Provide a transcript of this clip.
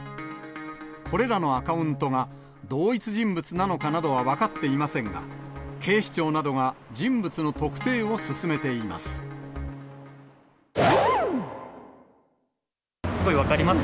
これらのアカウントが、同一人物なのかなどは分かっていませんが、警視庁などが人物の特定を進めています。